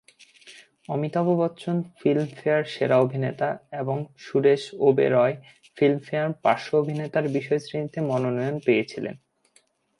Amitabh Bachchan Filmfare সেরা অভিনেতা এবং সুরেশ ওবেরয় ফিল্মফেয়ার পার্শ্ব-অভিনেতা বিষয়শ্রেণীতে মনোনয়ন পেয়েছিলেন।